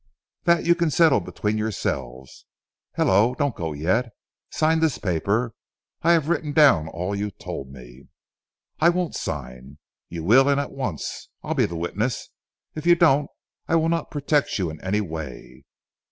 "That you can settle between yourselves. Hullo, don't go yet. Sign this paper. I have written down all you told me." "I won't sign." "You will, and at once. I will be the witness. If you don't I will not protect you in any way."